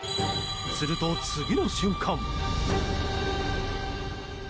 すると、次の瞬間。